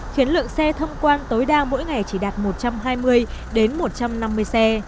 khiến lượng xe thông quan tối đa mỗi ngày chỉ đạt một trăm hai mươi đến một trăm năm mươi xe